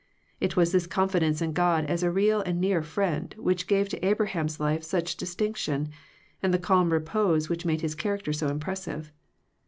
It was this confidence in God as a real and near friend, which gave to Abraham's life such distinction, and the calm repose which made his character so impressive.